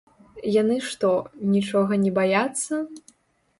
Яны што, нічога не баяцца?